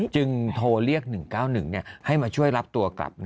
จึงโทรเรียก๑๙๑ให้มาช่วยรับตัวกลับ